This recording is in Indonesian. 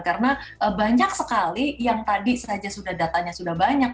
karena banyak sekali yang tadi saja sudah datanya sudah banyak